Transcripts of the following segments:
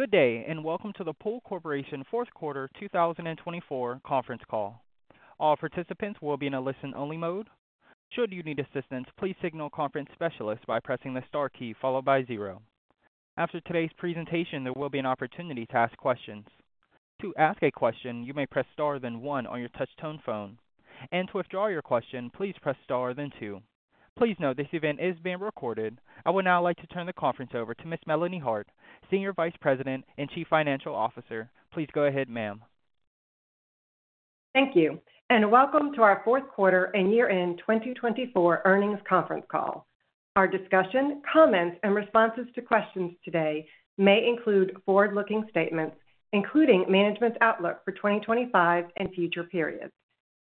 Good day, and welcome to the Pool Corporation Fourth Quarter 2024 conference call. All participants will be in a listen-only mode. Should you need assistance, please signal conference specialist by pressing the star key followed by zero. After today's presentation, there will be an opportunity to ask questions. To ask a question, you may press star then one on your touch-tone phone. And to withdraw your question, please press star then two. Please note this event is being recorded. I would now like to turn the conference over to Ms. Melanie Hart, Senior Vice President and Chief Financial Officer. Please go ahead, ma'am. Thank you, and welcome to our Fourth Quarter and Year End 2024 earnings conference call. Our discussion, comments, and responses to questions today may include forward-looking statements, including management's outlook for 2025 and future periods.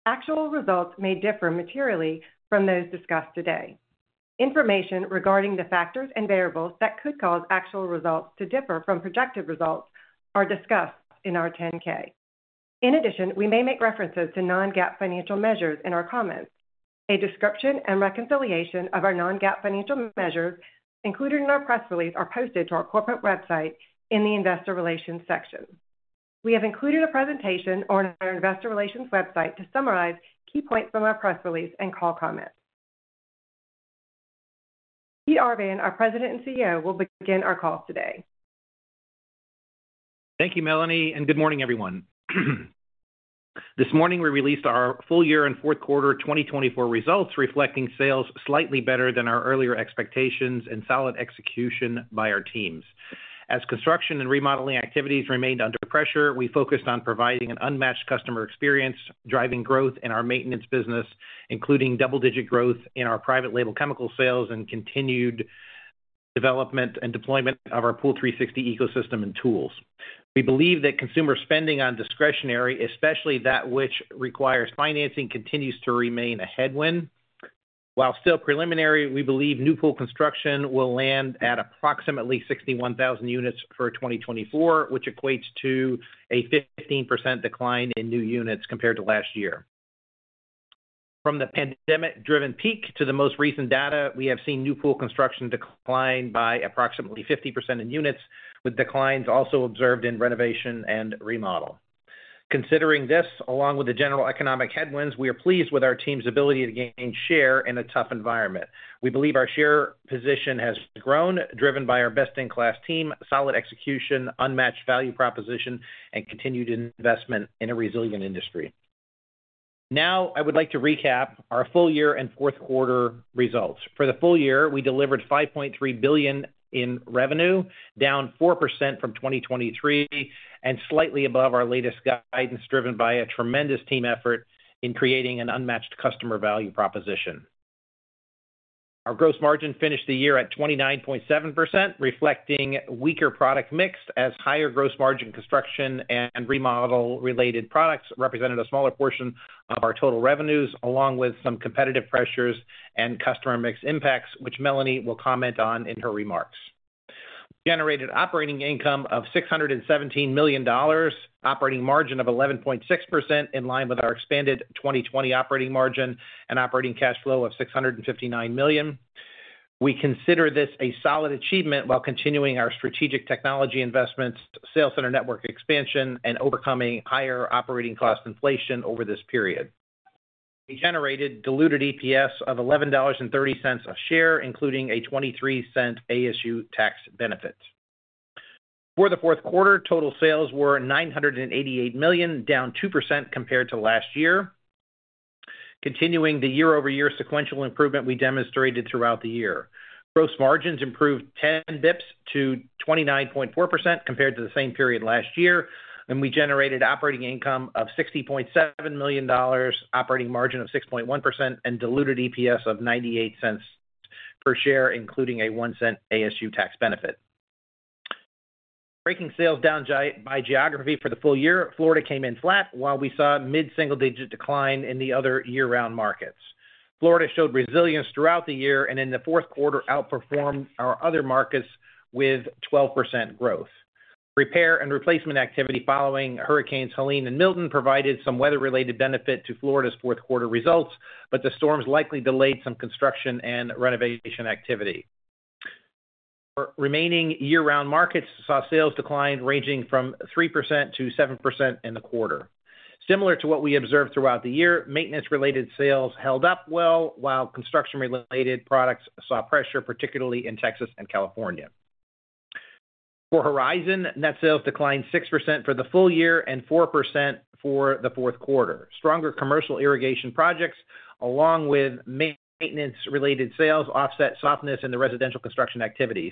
Actual results may differ materially from those discussed today. Information regarding the factors and variables that could cause actual results to differ from projected results are discussed in our 10-K. In addition, we may make references to non-GAAP financial measures in our comments. A description and reconciliation of our non-GAAP financial measures included in our press release are posted to our corporate website in the investor relations section. We have included a presentation on our investor relations website to summarize key points from our press release and call comments. Peter Arvan, our President and CEO, will begin our call today. Thank you, Melanie, and good morning, everyone. This morning, we released our full year and fourth quarter 2024 results, reflecting sales slightly better than our earlier expectations and solid execution by our teams. As construction and remodeling activities remained under pressure, we focused on providing an unmatched customer experience, driving growth in our maintenance business, including double-digit growth in our private label chemical sales and continued development and deployment of our Pool360 ecosystem and tools. We believe that consumer spending on discretionary, especially that which requires financing, continues to remain a headwind. While still preliminary, we believe new pool construction will land at approximately 61,000 units for 2024, which equates to a 15% decline in new units compared to last year. From the pandemic-driven peak to the most recent data, we have seen new pool construction decline by approximately 50% in units, with declines also observed in renovation and remodel. Considering this, along with the general economic headwinds, we are pleased with our team's ability to gain share in a tough environment. We believe our share position has grown, driven by our best-in-class team, solid execution, unmatched value proposition, and continued investment in a resilient industry. Now, I would like to recap our full year and fourth quarter results. For the full year, we delivered $5.3 billion in revenue, down 4% from 2023, and slightly above our latest guidance, driven by a tremendous team effort in creating an unmatched customer value proposition. Our gross margin finished the year at 29.7%, reflecting weaker product mix as higher gross margin construction and remodel-related products represented a smaller portion of our total revenues, along with some competitive pressures and customer mix impacts, which Melanie will comment on in her remarks. We generated operating income of $617 million, operating margin of 11.6%, in line with our expanded 2020 operating margin and operating cash flow of $659 million. We consider this a solid achievement while continuing our strategic technology investments, sales center network expansion, and overcoming higher operating cost inflation over this period. We generated diluted EPS of $11.30 a share, including a $0.23 ASU tax benefit. For the fourth quarter, total sales were $988 million, down 2% compared to last year, continuing the year-over-year sequential improvement we demonstrated throughout the year. Gross margins improved 10 basis points to 29.4% compared to the same period last year, and we generated operating income of $60.7 million, operating margin of 6.1%, and diluted EPS of $0.98 per share, including a $0.01 ASU tax benefit. Breaking sales down by geography for the full year, Florida came in flat, while we saw mid-single-digit decline in the other year-round markets. Florida showed resilience throughout the year and in the fourth quarter outperformed our other markets with 12% growth. Repair and replacement activity following Hurricanes Helene and Milton provided some weather-related benefit to Florida's fourth quarter results, but the storms likely delayed some construction and renovation activity. Our remaining year-round markets saw sales decline ranging from 3%-7% in the quarter. Similar to what we observed throughout the year, maintenance-related sales held up well, while construction-related products saw pressure, particularly in Texas and California. For Horizon, net sales declined 6% for the full year and 4% for the fourth quarter. Stronger commercial irrigation projects, along with maintenance-related sales, offset softness in the residential construction activities.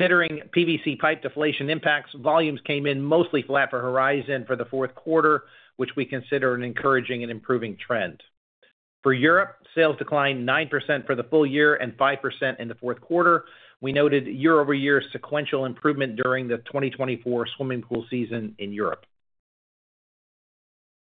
Considering PVC pipe deflation impacts, volumes came in mostly flat for Horizon for the fourth quarter, which we consider an encouraging and improving trend. For Europe, sales declined 9% for the full year and 5% in the fourth quarter. We noted year-over-year sequential improvement during the 2024 swimming pool season in Europe.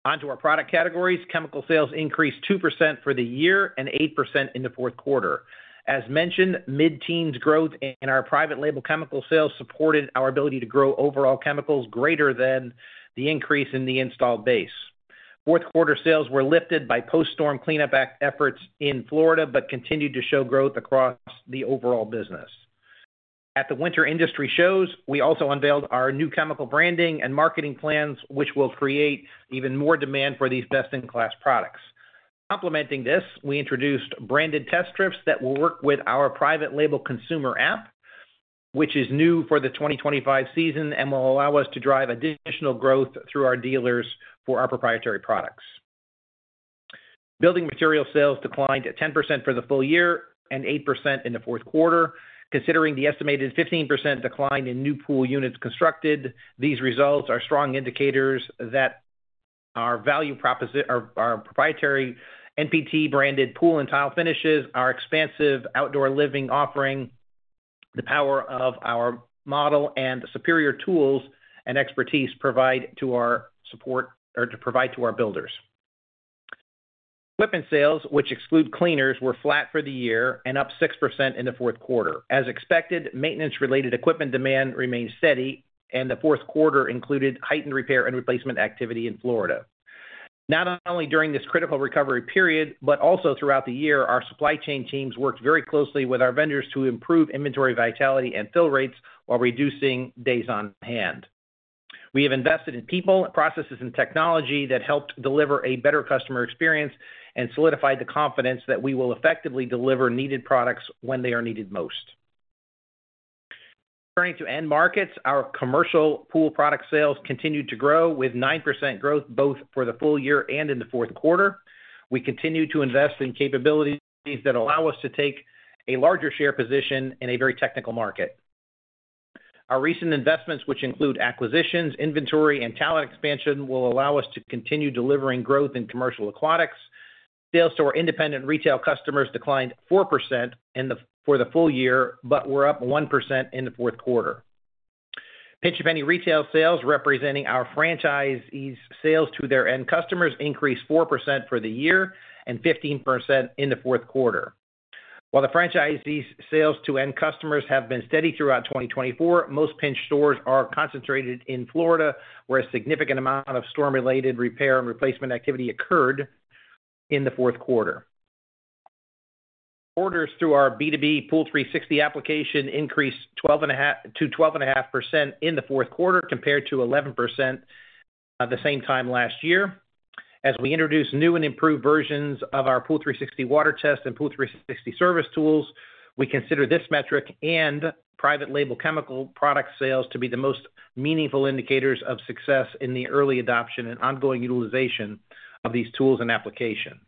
Onto our product categories, chemical sales increased 2% for the year and 8% in the fourth quarter. As mentioned, mid-teens growth in our private label chemical sales supported our ability to grow overall chemicals greater than the increase in the installed base. Fourth quarter sales were lifted by post-storm cleanup efforts in Florida but continued to show growth across the overall business. At the winter industry shows, we also unveiled our new chemical branding and marketing plans, which will create even more demand for these best-in-class products. Complementing this, we introduced branded test strips that will work with our private label consumer app, which is new for the 2025 season and will allow us to drive additional growth through our dealers for our proprietary products. Building material sales declined 10% for the full year and 8% in the fourth quarter. Considering the estimated 15% decline in new pool units constructed, these results are strong indicators that our value proposition, our proprietary NPT-branded pool and tile finishes, our expansive outdoor living offering, the power of our model, and superior tools and expertise provide support to our builders. Equipment sales, which exclude cleaners, were flat for the year and up 6% in the fourth quarter. As expected, maintenance-related equipment demand remained steady, and the fourth quarter included heightened repair and replacement activity in Florida. Not only during this critical recovery period, but also throughout the year, our supply chain teams worked very closely with our vendors to improve inventory vitality and fill rates while reducing days on hand. We have invested in people, processes, and technology that helped deliver a better customer experience and solidified the confidence that we will effectively deliver needed products when they are needed most. Turning to end markets, our commercial pool product sales continued to grow with 9% growth both for the full year and in the fourth quarter. We continue to invest in capabilities that allow us to take a larger share position in a very technical market. Our recent investments, which include acquisitions, inventory, and talent expansion, will allow us to continue delivering growth in commercial aquatics. Sales to our independent retail customers declined 4% for the full year, but were up 1% in the fourth quarter. Pinch A Penny retail sales, representing our franchisee's sales to their end customers, increased 4% for the year and 15% in the fourth quarter. While the franchisee's sales to end customers have been steady throughout 2024, most Pinch A Penny stores are concentrated in Florida, where a significant amount of storm-related repair and replacement activity occurred in the fourth quarter. Orders through our B2B Pool360 application increased to 12.5% in the fourth quarter compared to 11% the same time last year. As we introduce new and improved versions of our Pool360 Water Test and Pool360 Service tools, we consider this metric and private label chemical product sales to be the most meaningful indicators of success in the early adoption and ongoing utilization of these tools and applications.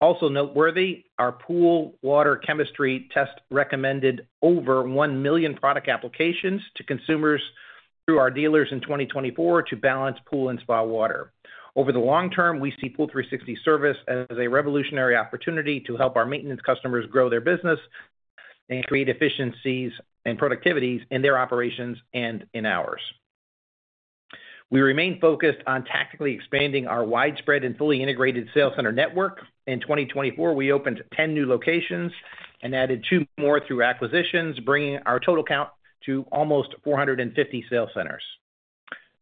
Also noteworthy, our pool water chemistry test recommended over 1 million product applications to consumers through our dealers in 2024 to balance pool and spa water. Over the long term, we see Pool360 Service as a revolutionary opportunity to help our maintenance customers grow their business and create efficiencies and productivity in their operations and in ours. We remain focused on tactically expanding our widespread and fully integrated sales center network. In 2024, we opened 10 new locations and added two more through acquisitions, bringing our total count to almost 450 sales centers.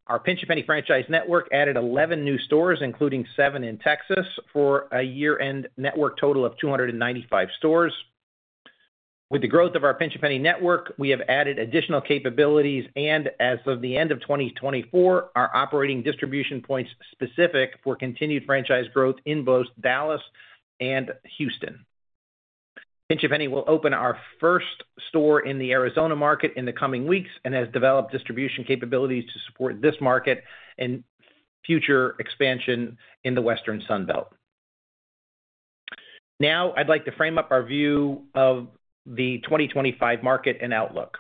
Our Pinch A Penny franchise network added 11 new stores, including 7 in Texas, for a year-end network total of 295 stores. With the growth of our Pinch A Penny network, we have added additional capabilities, and as of the end of 2024, our operating distribution points specific for continued franchise growth in both Dallas and Houston. Penny will open our first store in the Arizona market in the coming weeks and has developed distribution capabilities to support this market and future expansion in the western Sunbelt. Now, I'd like to frame up our view of the 2025 market and outlook.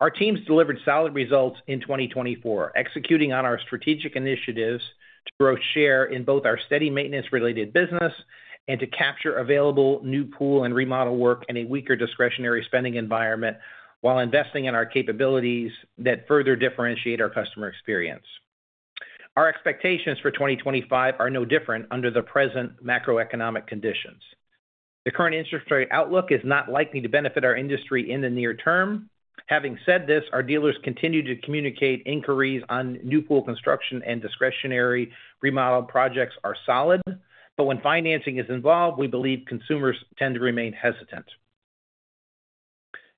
Our teams delivered solid results in 2024, executing on our strategic initiatives to grow share in both our steady maintenance-related business and to capture available new pool and remodel work in a weaker discretionary spending environment while investing in our capabilities that further differentiate our customer experience. Our expectations for 2025 are no different under the present macroeconomic conditions. The current interest rate outlook is not likely to benefit our industry in the near term. Having said this, our dealers continue to communicate inquiries on new pool construction and discretionary remodel projects are solid, but when financing is involved, we believe consumers tend to remain hesitant.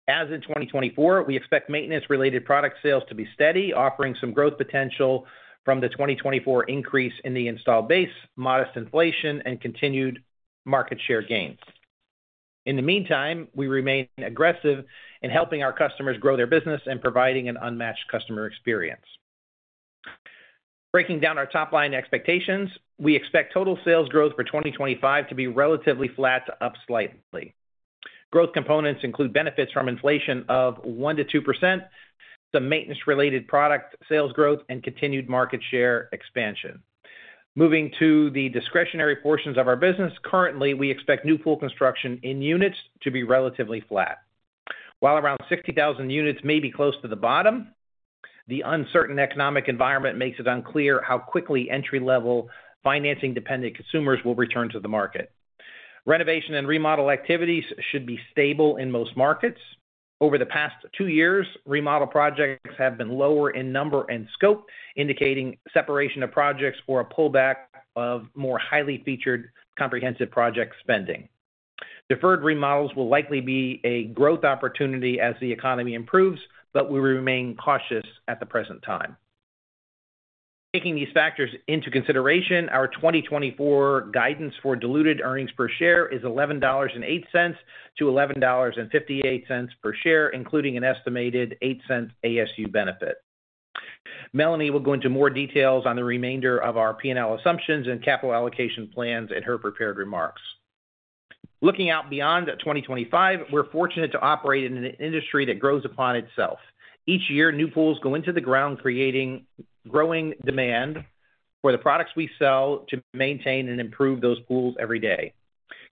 As in 2024, we expect maintenance-related product sales to be steady, offering some growth potential from the 2024 increase in the installed base, modest inflation, and continued market share gains. In the meantime, we remain aggressive in helping our customers grow their business and providing an unmatched customer experience. Breaking down our top-line expectations, we expect total sales growth for 2025 to be relatively flat up slightly. Growth components include benefits from inflation of 1-2%, some maintenance-related product sales growth, and continued market share expansion. Moving to the discretionary portions of our business, currently, we expect new pool construction in units to be relatively flat. While around 60,000 units may be close to the bottom, the uncertain economic environment makes it unclear how quickly entry-level financing-dependent consumers will return to the market. Renovation and remodel activities should be stable in most markets. Over the past two years, remodel projects have been lower in number and scope, indicating separation of projects or a pullback of more highly featured comprehensive project spending. Deferred remodels will likely be a growth opportunity as the economy improves, but we remain cautious at the present time. Taking these factors into consideration, our 2024 guidance for diluted earnings per share is $11.08-$11.58 per share, including an estimated $0.08 ASU benefit. Melanie will go into more details on the remainder of our P&L assumptions and capital allocation plans in her prepared remarks. Looking out beyond 2025, we're fortunate to operate in an industry that grows upon itself. Each year, new pools go into the ground, creating growing demand for the products we sell to maintain and improve those pools every day.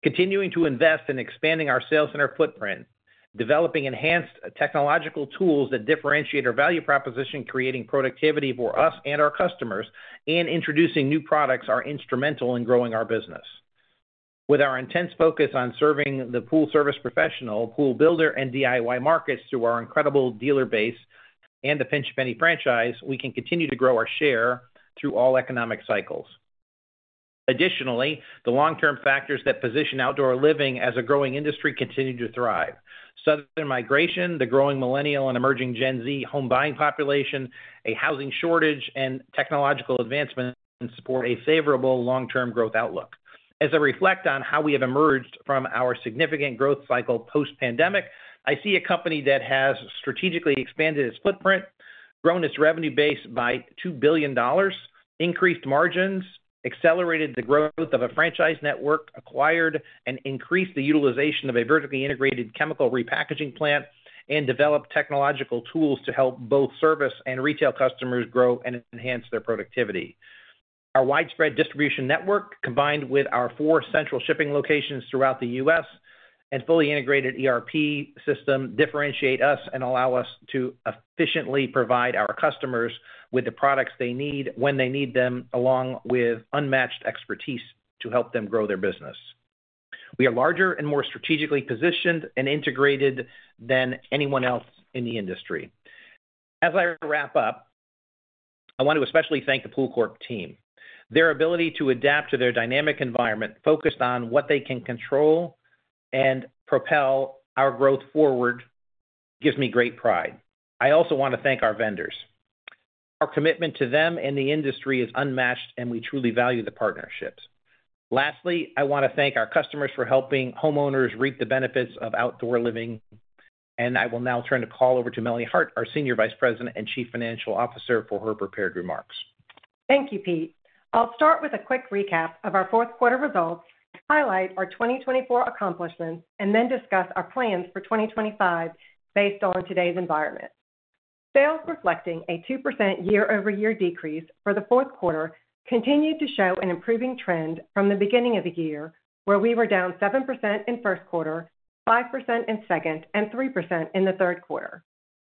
Continuing to invest in expanding our sales center footprint, developing enhanced technological tools that differentiate our value proposition, creating productivity for us and our customers, and introducing new products are instrumental in growing our business. With our intense focus on serving the pool service professional, pool builder, and DIY markets through our incredible dealer base and the Pinch A Penny franchise, we can continue to grow our share through all economic cycles. Additionally, the long-term factors that position outdoor living as a growing industry continue to thrive. Southern migration, the growing millennial and emerging Gen Z home buying population, a housing shortage, and technological advancement support a favorable long-term growth outlook. As I reflect on how we have emerged from our significant growth cycle post-pandemic, I see a company that has strategically expanded its footprint, grown its revenue base by $2 billion, increased margins, accelerated the growth of a franchise network, acquired and increased the utilization of a vertically integrated chemical repackaging plant, and developed technological tools to help both service and retail customers grow and enhance their productivity. Our widespread distribution network, combined with our four central shipping locations throughout the U.S. and fully integrated ERP system, differentiate us and allow us to efficiently provide our customers with the products they need when they need them, along with unmatched expertise to help them grow their business. We are larger and more strategically positioned and integrated than anyone else in the industry. As I wrap up, I want to especially thank the Pool Corp team. Their ability to adapt to their dynamic environment, focused on what they can control and propel our growth forward, gives me great pride. I also want to thank our vendors. Our commitment to them and the industry is unmatched, and we truly value the partnerships. Lastly, I want to thank our customers for helping homeowners reap the benefits of outdoor living, and I will now turn the call over to Melanie Hart, our Senior Vice President and Chief Financial Officer, for her prepared remarks. Thank you, Peter. I'll start with a quick recap of our fourth quarter results to highlight our 2024 accomplishments and then discuss our plans for 2025 based on today's environment. Sales reflecting a 2% year-over-year decrease for the fourth quarter continued to show an improving trend from the beginning of the year, where we were down 7% in first quarter, 5% in second, and 3% in the third quarter.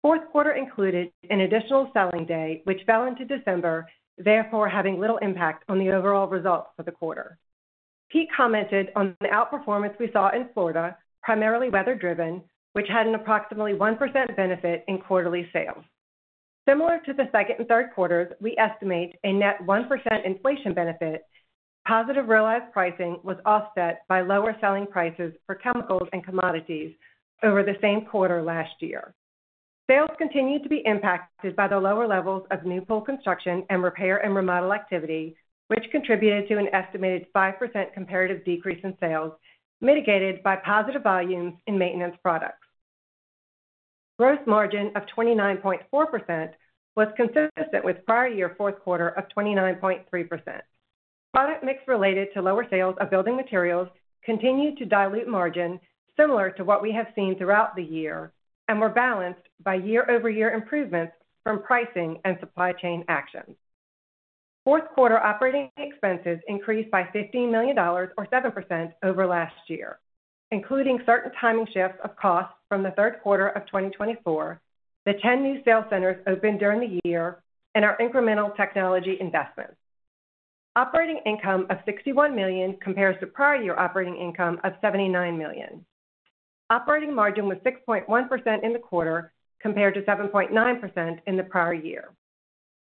Fourth quarter included an additional selling day, which fell into December, therefore having little impact on the overall results for the quarter. Peter commented on the outperformance we saw in Florida, primarily weather-driven, which had an approximately 1% benefit in quarterly sales. Similar to the second and third quarters, we estimate a net 1% inflation benefit. Positive realized pricing was offset by lower selling prices for chemicals and commodities over the same quarter last year. Sales continued to be impacted by the lower levels of new pool construction and repair and remodel activity, which contributed to an estimated 5% comparative decrease in sales, mitigated by positive volumes in maintenance products. Gross margin of 29.4% was consistent with prior year fourth quarter of 29.3%. Product mix related to lower sales of building materials continued to dilute margin, similar to what we have seen throughout the year, and were balanced by year-over-year improvements from pricing and supply chain actions. Fourth quarter operating expenses increased by $15 million, or 7%, over last year, including certain timing shifts of costs from the third quarter of 2024, the 10 new sales centers opened during the year, and our incremental technology investments. Operating income of $61 million compares to prior year operating income of $79 million. Operating margin was 6.1% in the quarter compared to 7.9% in the prior year.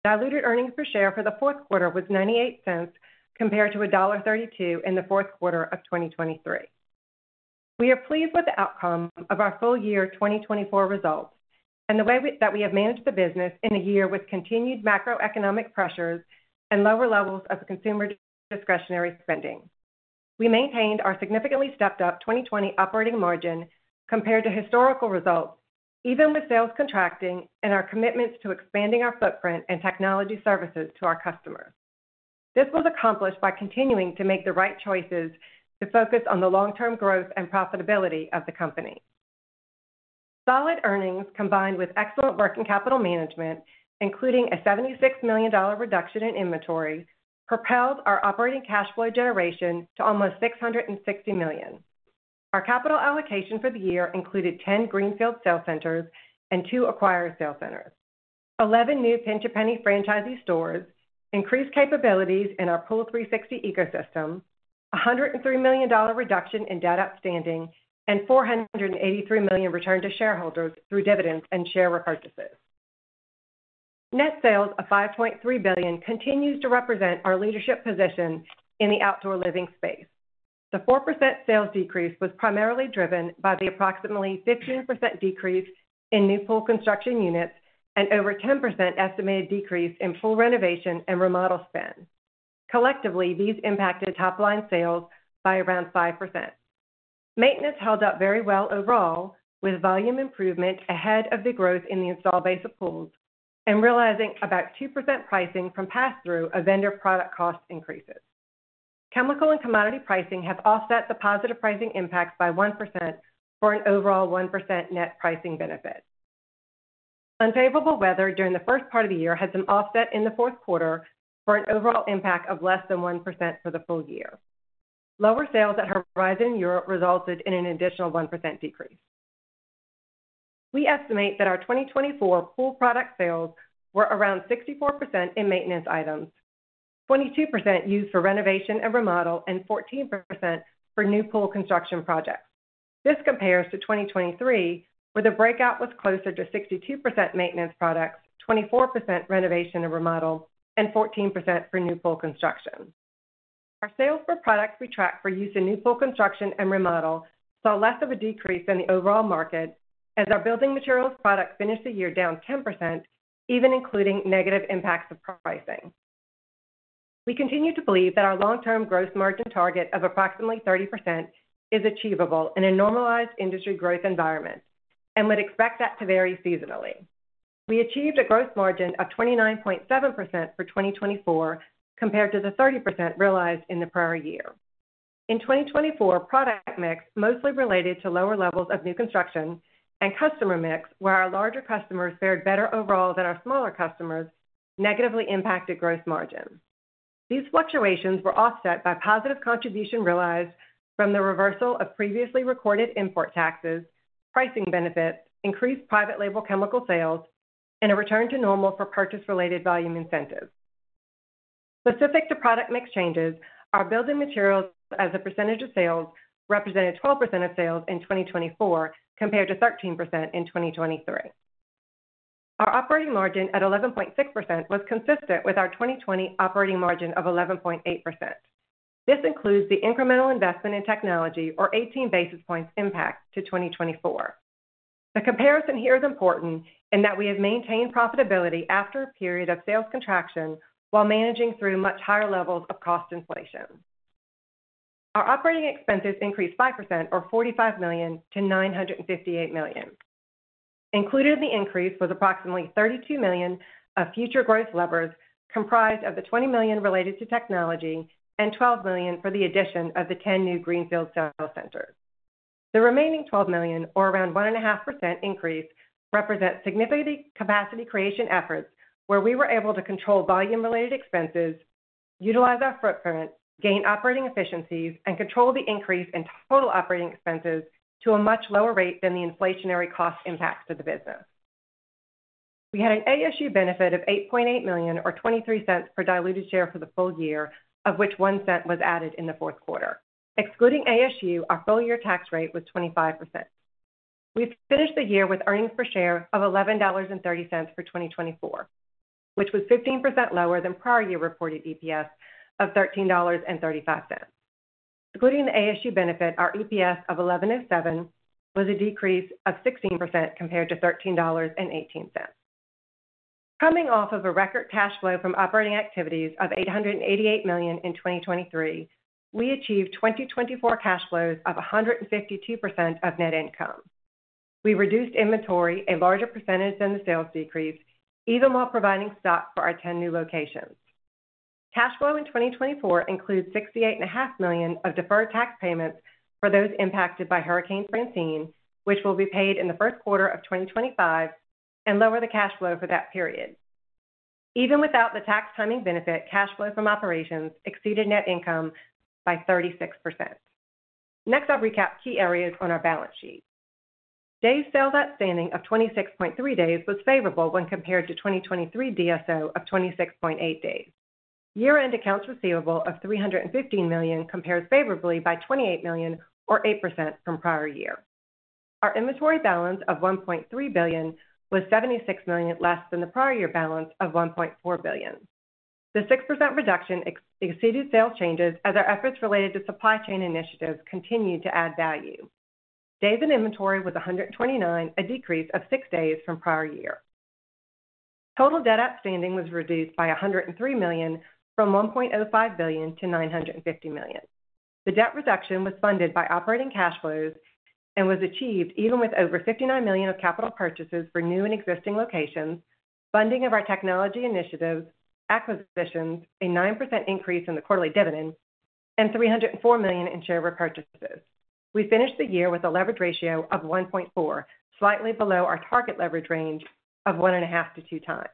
Diluted earnings per share for the fourth quarter was $0.98 compared to $1.32 in the fourth quarter of 2023. We are pleased with the outcome of our full year 2024 results and the way that we have managed the business in a year with continued macroeconomic pressures and lower levels of consumer discretionary spending. We maintained our significantly stepped-up 2020 operating margin compared to historical results, even with sales contracting and our commitments to expanding our footprint and technology services to our customers. This was accomplished by continuing to make the right choices to focus on the long-term growth and profitability of the company. Solid earnings combined with excellent working capital management, including a $76 million reduction in inventory, propelled our operating cash flow generation to almost $660 million. Our capital allocation for the year included 10 Greenfield sales centers and two acquired sales centers, 11 new Pinch A Penny franchisee stores, increased capabilities in our Pool360 ecosystem, a $103 million reduction in debt outstanding, and $483 million returned to shareholders through dividends and share repurchases. Net sales of $5.3 billion continues to represent our leadership position in the outdoor living space. The 4% sales decrease was primarily driven by the approximately 15% decrease in new pool construction units and over 10% estimated decrease in pool renovation and remodel spend. Collectively, these impacted top-line sales by around 5%. Maintenance held up very well overall, with volume improvement ahead of the growth in the installed base of pools and realizing about 2% pricing from pass-through of vendor product cost increases. Chemical and commodity pricing have offset the positive pricing impacts by 1% for an overall 1% net pricing benefit. Unfavorable weather during the first part of the year had some offset in the fourth quarter for an overall impact of less than 1% for the full year. Lower sales at Horizon Europe resulted in an additional 1% decrease. We estimate that our 2024 pool product sales were around 64% in maintenance items, 22% used for renovation and remodel, and 14% for new pool construction projects. This compares to 2023, where the breakout was closer to 62% maintenance products, 24% renovation and remodel, and 14% for new pool construction. Our sales for products we track for use in new pool construction and remodel saw less of a decrease than the overall market, as our building materials product finished the year down 10%, even including negative impacts of pricing. We continue to believe that our long-term gross margin target of approximately 30% is achievable in a normalized industry growth environment and would expect that to vary seasonally. We achieved a gross margin of 29.7% for 2024 compared to the 30% realized in the prior year. In 2024, product mix mostly related to lower levels of new construction and customer mix, where our larger customers fared better overall than our smaller customers, negatively impacted gross margin. These fluctuations were offset by positive contribution realized from the reversal of previously recorded import taxes, pricing benefits, increased private label chemical sales, and a return to normal for purchase-related volume incentives. Specific to product mix changes, our building materials as a percentage of sales represented 12% of sales in 2024 compared to 13% in 2023. Our operating margin at 11.6% was consistent with our 2020 operating margin of 11.8%. This includes the incremental investment in technology, or 18 basis points impact to 2024. The comparison here is important in that we have maintained profitability after a period of sales contraction while managing through much higher levels of cost inflation. Our operating expenses increased 5%, or $45 million, to $958 million. Included in the increase was approximately $32 million of future growth levers, comprised of the $20 million related to technology and $12 million for the addition of the 10 new Greenfield sales centers. The remaining $12 million, or around 1.5% increase, represents significant capacity creation efforts, where we were able to control volume-related expenses, utilize our footprint, gain operating efficiencies, and control the increase in total operating expenses to a much lower rate than the inflationary cost impacts to the business. We had an ASU benefit of $8.8 million, or $0.23 per diluted share for the full year, of which $0.01 was added in the fourth quarter. Excluding ASU, our full year tax rate was 25%. We finished the year with earnings per share of $11.30 for 2024, which was 15% lower than prior year reported EPS of $13.35. Excluding the ASU benefit, our EPS of $11.07 was a decrease of 16% compared to $13.18. Coming off of a record cash flow from operating activities of $888 million in 2023, we achieved 2024 cash flows of 152% of net income. We reduced inventory a larger percentage than the sales decrease, even while providing stock for our 10 new locations. Cash flow in 2024 includes $68.5 million of deferred tax payments for those impacted by Hurricane Francine, which will be paid in the first quarter of 2025 and lower the cash flow for that period. Even without the tax timing benefit, cash flow from operations exceeded net income by 36%. Next, I'll recap key areas on our balance sheet. Day sales outstanding of 26.3 days was favorable when compared to 2023 DSO of 26.8 days. Year-end accounts receivable of $315 million compares favorably by $28 million, or 8%, from prior year. Our inventory balance of $1.3 billion was $76 million less than the prior year balance of $1.4 billion. The 6% reduction exceeded sales changes as our efforts related to supply chain initiatives continued to add value. Days in inventory was 129, a decrease of 6 days from prior year. Total debt outstanding was reduced by $103 million, from $1.05 billion to $950 million. The debt reduction was funded by operating cash flows and was achieved even with over $59 million of capital purchases for new and existing locations, funding of our technology initiatives, acquisitions, a 9% increase in the quarterly dividends, and $304 million in share repurchases. We finished the year with a leverage ratio of 1.4, slightly below our target leverage range of 1.5 to 2 times.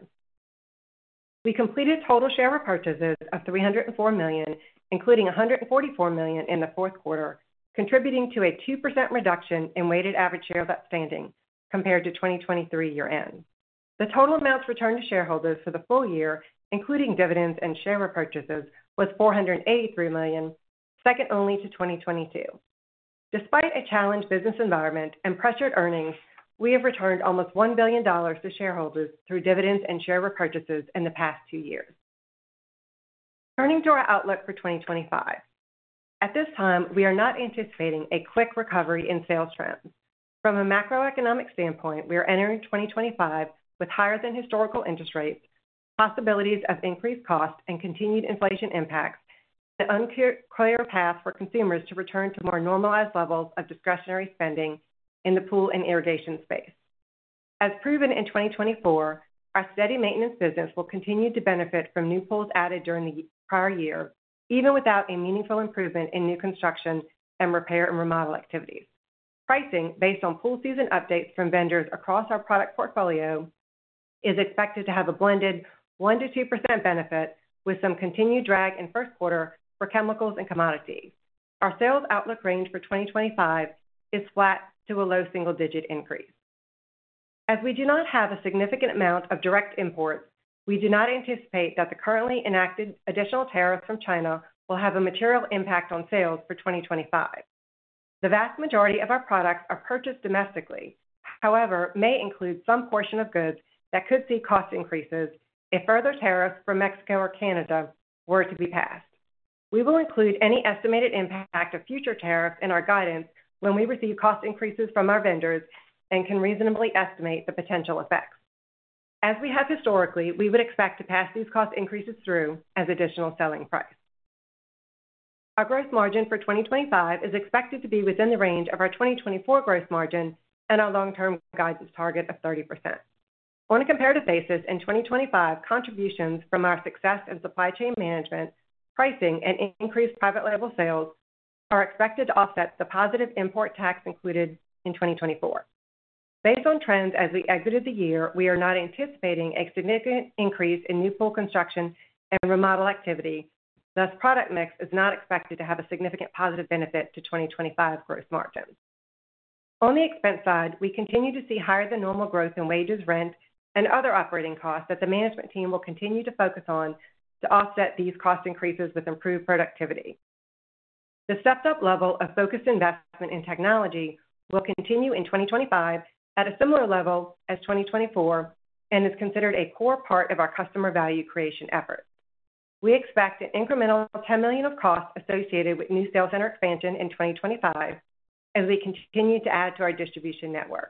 We completed total share repurchases of $304 million, including $144 million in the fourth quarter, contributing to a 2% reduction in weighted average share outstanding compared to 2023 year-end. The total amounts returned to shareholders for the full year, including dividends and share repurchases, was $483 million, second only to 2022. Despite a challenged business environment and pressured earnings, we have returned almost $1 billion to shareholders through dividends and share repurchases in the past two years. Turning to our outlook for 2025, at this time, we are not anticipating a quick recovery in sales trends. From a macroeconomic standpoint, we are entering 2025 with higher-than-historical interest rates, possibilities of increased costs, and continued inflation impacts, and an unclear path for consumers to return to more normalized levels of discretionary spending in the pool and irrigation space. As proven in 2024, our steady maintenance business will continue to benefit from new pools added during the prior year, even without a meaningful improvement in new construction and repair and remodel activities. Pricing based on pool season updates from vendors across our product portfolio is expected to have a blended 1%-2% benefit, with some continued drag in first quarter for chemicals and commodities. Our sales outlook range for 2025 is flat to a low single-digit increase. As we do not have a significant amount of direct imports, we do not anticipate that the currently enacted additional tariffs from China will have a material impact on sales for 2025. The vast majority of our products are purchased domestically, however, may include some portion of goods that could see cost increases if further tariffs from Mexico or Canada were to be passed. We will include any estimated impact of future tariffs in our guidance when we receive cost increases from our vendors and can reasonably estimate the potential effects. As we have historically, we would expect to pass these cost increases through as additional selling price. Our gross margin for 2025 is expected to be within the range of our 2024 gross margin and our long-term guidance target of 30%. On a comparative basis, in 2025, contributions from our success in supply chain management, pricing, and increased private label sales are expected to offset the positive import tax included in 2024. Based on trends as we exited the year, we are not anticipating a significant increase in new pool construction and remodel activity. Thus, product mix is not expected to have a significant positive benefit to 2025 gross margins. On the expense side, we continue to see higher-than-normal growth in wages, rent, and other operating costs that the management team will continue to focus on to offset these cost increases with improved productivity. The stepped-up level of focused investment in technology will continue in 2025 at a similar level as 2024 and is considered a core part of our customer value creation efforts. We expect an incremental $10 million of costs associated with new sales center expansion in 2025 as we continue to add to our distribution network.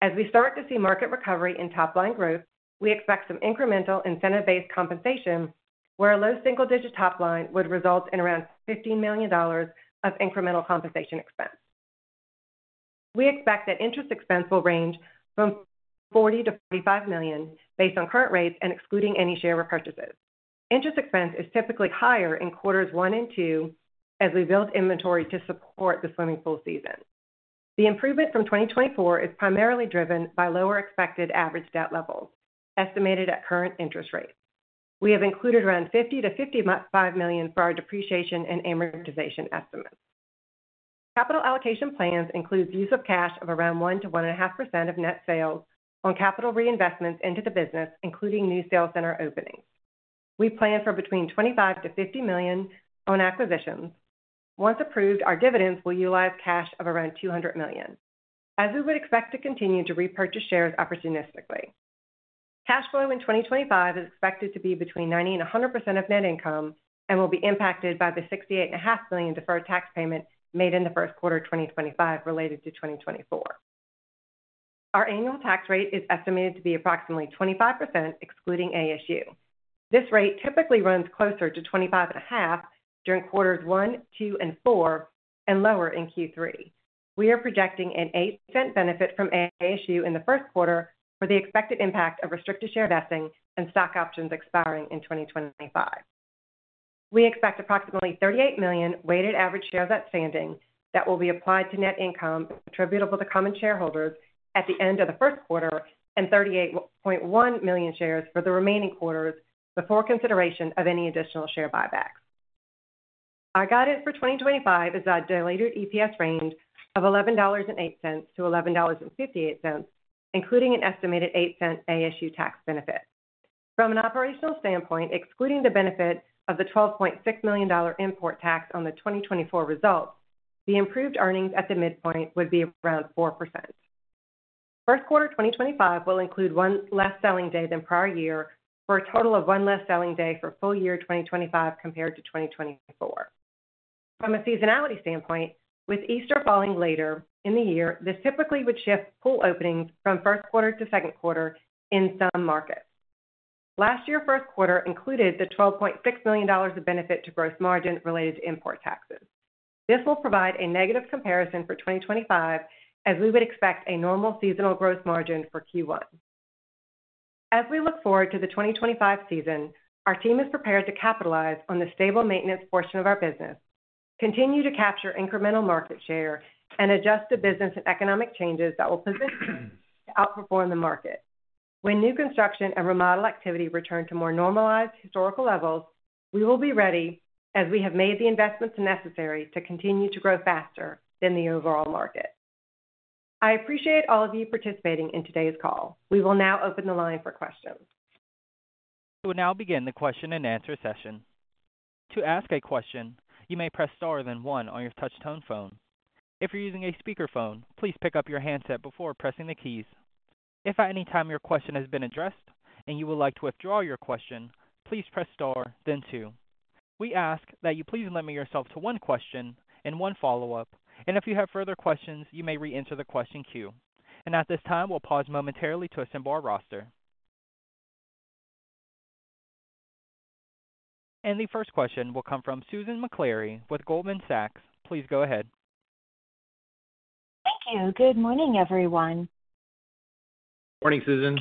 As we start to see market recovery in top-line growth, we expect some incremental incentive-based compensation, where a low single-digit top-line would result in around $15 million of incremental compensation expense. We expect that interest expense will range from $40 million to $45 million based on current rates and excluding any share repurchases. Interest expense is typically higher in quarters one and two as we build inventory to support the swimming pool season. The improvement from 2024 is primarily driven by lower expected average debt levels estimated at current interest rates. We have included around $50 million-$55 million for our depreciation and amortization estimates. Capital allocation plans include use of cash of around 1%-1.5% of net sales on capital reinvestments into the business, including new sales center openings. We plan for between $25 million-$50 million on acquisitions. Once approved, our dividends will utilize cash of around $200 million, as we would expect to continue to repurchase shares opportunistically. Cash flow in 2025 is expected to be between 90% and 100% of net income and will be impacted by the $68.5 million deferred tax payment made in the first quarter of 2025 related to 2024. Our annual tax rate is estimated to be approximately 25%, excluding ASU. This rate typically runs closer to $25.5 million during quarters one, two, and four, and lower in Q3. We are projecting an 8% benefit from ASU in the first quarter for the expected impact of restricted share vesting and stock options expiring in 2025. We expect approximately 38 million weighted average shares outstanding that will be applied to net income attributable to common shareholders at the end of the first quarter and 38.1 million shares for the remaining quarters before consideration of any additional share buybacks. Our guidance for 2025 is a diluted EPS range of $11.08-$11.58, including an estimated $0.08 ASU tax benefit. From an operational standpoint, excluding the benefit of the $12.6 million import tax on the 2024 results, the improved earnings at the midpoint would be around 4%. First quarter 2025 will include one less selling day than prior year for a total of one less selling day for full year 2025 compared to 2024. From a seasonality standpoint, with Easter falling later in the year, this typically would shift pool openings from first quarter to second quarter in some markets. Last year's first quarter included the $12.6 million of benefit to gross margin related to import taxes. This will provide a negative comparison for 2025, as we would expect a normal seasonal gross margin for Q1. As we look forward to the 2025 season, our team is prepared to capitalize on the stable maintenance portion of our business, continue to capture incremental market share, and adjust to business and economic changes that will position us to outperform the market. When new construction and remodel activity return to more normalized historical levels, we will be ready, as we have made the investments necessary to continue to grow faster than the overall market. I appreciate all of you participating in today's call. We will now open the line for questions. We will now begin the question and answer session. To ask a question, you may press star then one on your touch-tone phone. If you're using a speakerphone, please pick up your handset before pressing the keys. If at any time your question has been addressed and you would like to withdraw your question, please press star, then two. We ask that you please limit yourself to one question and one follow-up. And if you have further questions, you may re-enter the question queue. And at this time, we'll pause momentarily to assemble our roster. And the first question will come from Susan Maklari with Goldman Sachs. Please go ahead. Thank you. Good morning, everyone. Morning, Susan.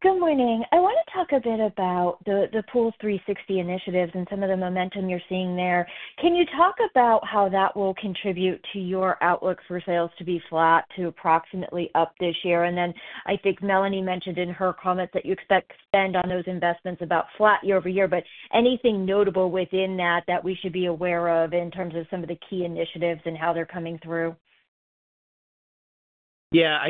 Good morning. I want to talk a bit about the Pool360 initiatives and some of the momentum you're seeing there. Can you talk about how that will contribute to your outlook for sales to be flat to approximately up this year? And then I think Melanie mentioned in her comments that you expect to spend on those investments about flat year over year, but anything notable within that that we should be aware of in terms of some of the key initiatives and how they're coming through? Yeah.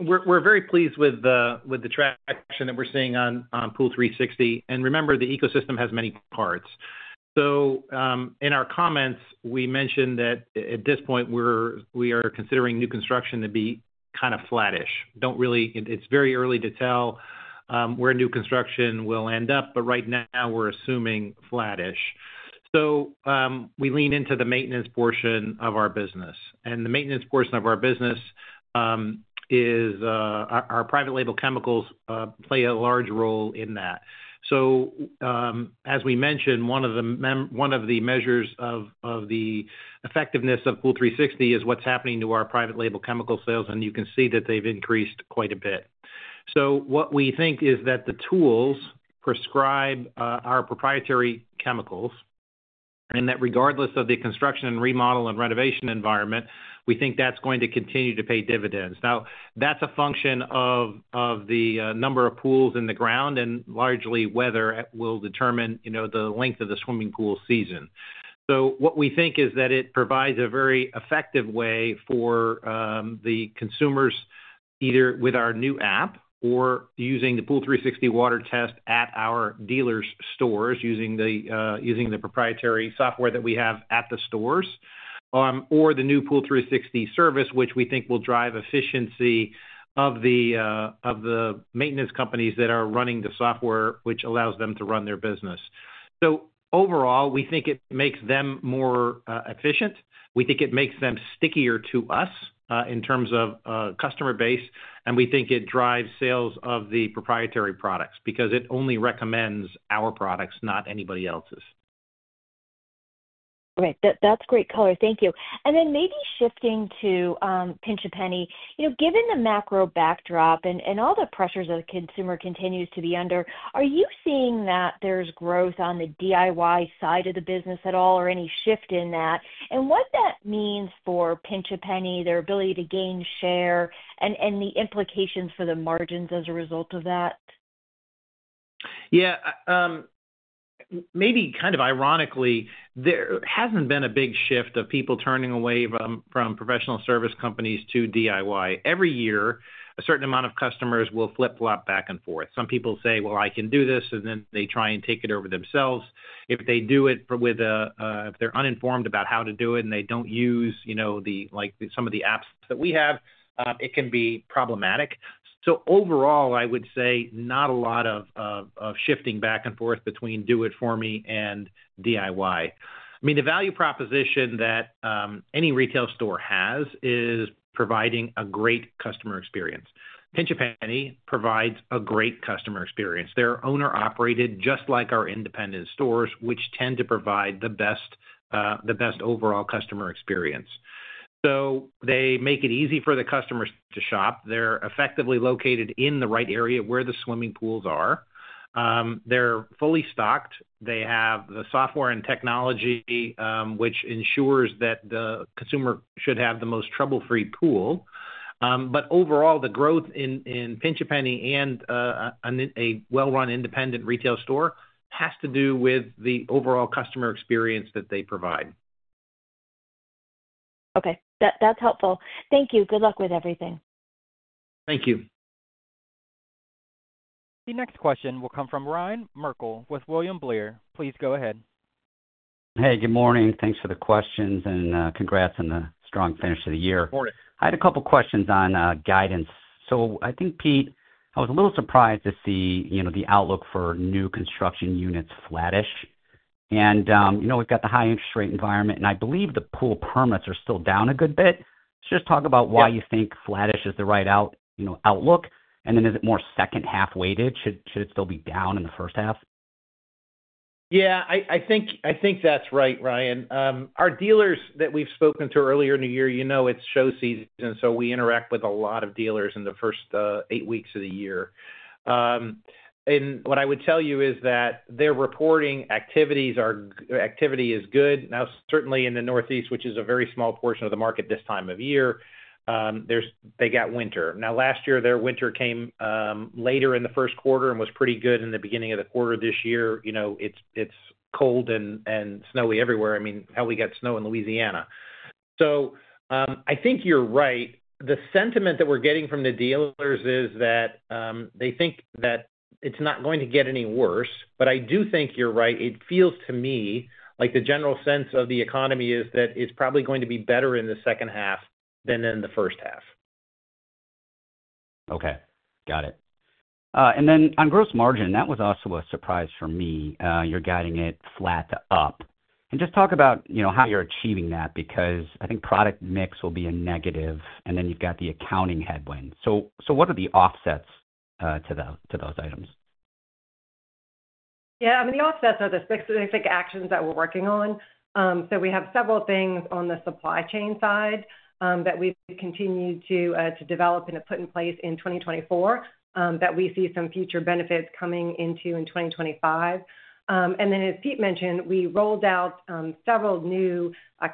We're very pleased with the traction that we're seeing on Pool360. And remember, the ecosystem has many parts. So in our comments, we mentioned that at this point, we are considering new construction to be kind of flattish. It's very early to tell where new construction will end up, but right now, we're assuming flattish. So we lean into the maintenance portion of our business. The maintenance portion of our business is our private label chemicals play a large role in that. As we mentioned, one of the measures of the effectiveness of Pool360 is what's happening to our private label chemical sales, and you can see that they've increased quite a bit. What we think is that the tools prescribe our proprietary chemicals and that regardless of the construction and remodel and renovation environment, we think that's going to continue to pay dividends. Now, that's a function of the number of pools in the ground and largely weather will determine the length of the swimming pool season. So what we think is that it provides a very effective way for the consumers, either with our new app or using the Pool360 Water Test at our dealers' stores using the proprietary software that we have at the stores, or the new Pool360 Service, which we think will drive efficiency of the maintenance companies that are running the software, which allows them to run their business. So overall, we think it makes them more efficient. We think it makes them stickier to us in terms of customer base, and we think it drives sales of the proprietary products because it only recommends our products, not anybody else's. Right. That's great color. Thank you. And then maybe shifting to Pinch A Penny, given the macro backdrop and all the pressures that the consumer continues to be under, are you seeing that there's growth on the DIY side of the business at all or any shift in that? And what that means for Pinch A Penny, their ability to gain share, and the implications for the margins as a result of that? Yeah. Maybe kind of ironically, there hasn't been a big shift of people turning away from professional service companies to DIY. Every year, a certain amount of customers will flip-flop back and forth. Some people say, "Well, I can do this," and then they try and take it over themselves. If they do it if they're uninformed about how to do it and they don't use some of the apps that we have, it can be problematic. So overall, I would say not a lot of shifting back and forth between do-it-for-me and DIY. I mean, the value proposition that any retail store has is providing a great customer experience. Pinch A Penny provides a great customer experience. They're owner-operated, just like our independent stores, which tend to provide the best overall customer experience. So they make it easy for the customers to shop. They're effectively located in the right area where the swimming pools are. They're fully stocked. They have the software and technology, which ensures that the consumer should have the most trouble-free pool. But overall, the growth in Pinch A Penny and a well-run independent retail store has to do with the overall customer experience that they provide. Okay. That's helpful. Thank you. Good luck with everything. Thank you. The next question will come from Ryan Merkel with William Blair. Please go ahead. Hey, good morning. Thanks for the questions and congrats on the strong finish of the year. I had a couple of questions on guidance. So I think, Peter, I was a little surprised to see the outlook for new construction units flattish. And we've got the high interest rate environment, and I believe the pool permits are still down a good bit. So just talk about why you think flattish is the right outlook. And then is it more second-half weighted? Should it still be down in the first half? Yeah. I think that's right, Ryan. Our dealers that we've spoken to earlier in the year, you know it's show season, so we interact with a lot of dealers in the first eight weeks of the year. And what I would tell you is that their reporting activity is good. Now, certainly in the Northeast, which is a very small portion of the market this time of year, they got winter. Now, last year, their winter came later in the first quarter and was pretty good. In the beginning of the quarter this year, it's cold and snowy everywhere. I mean, hell, we got snow in Louisiana. So I think you're right. The sentiment that we're getting from the dealers is that they think that it's not going to get any worse. But I do think you're right. It feels to me like the general sense of the economy is that it's probably going to be better in the second half than in the first half. Okay. Got it, and then on gross margin, that was also a surprise for me. You're guiding it flat up. And just talk about how you're achieving that because I think product mix will be a negative, and then you've got the accounting headwinds. So what are the offsets to those items? Yeah. I mean, the offsets are the specific actions that we're working on. So we have several things on the supply chain side that we've continued to develop and put in place in 2024 that we see some future benefits coming into in 2025. And then, as Peter mentioned, we rolled out several new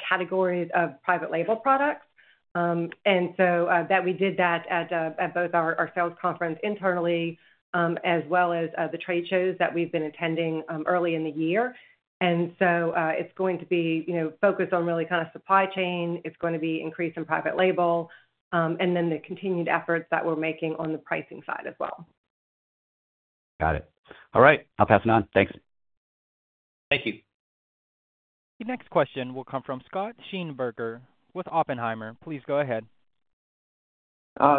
categories of private label products. And so we did that at both our sales conference internally as well as the trade shows that we've been attending early in the year. And so it's going to be focused on really kind of supply chain. It's going to be increase in private label and then the continued efforts that we're making on the pricing side as well. Got it. All right. I'll pass it on. Thanks. Thank you. The next question will come from Scott Schneeberger with Oppenheimer. Please go ahead.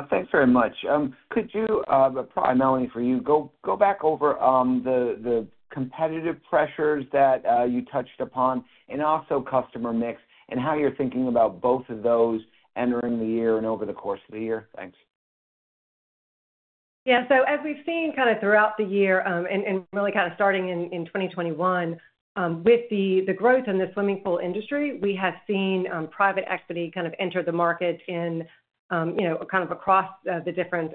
Thanks very much. Could you, Melanie, for you, go back over the competitive pressures that you touched upon and also customer mix and how you're thinking about both of those entering the year and over the course of the year? Thanks. Yeah. So as we've seen kind of throughout the year and really kind of starting in 2021, with the growth in the swimming pool industry, we have seen private equity kind of enter the market in kind of across the different